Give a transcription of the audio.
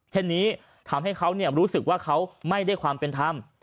เช่นนี้ทำให้เขารู้สึกว่าเขาไม่ได้ความเป็นธรรม